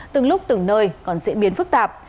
từng lúc từng nơi còn diễn biến phức tạp